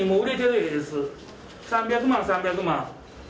３００万、３００万。